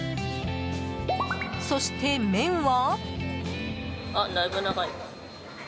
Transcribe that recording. そして、麺は。